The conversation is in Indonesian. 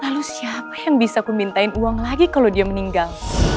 lalu siapa yang bisa aku mintain uang lagi kalau dia meninggal